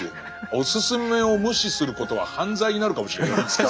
おすすめを無視することは犯罪になるかもしれないいつか。